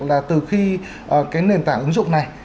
là từ khi cái nền tảng ứng dụng này